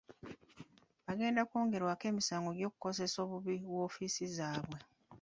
Bagenda kwongerwako emisango gy'okukozesa obubi woofiisi zaabwe.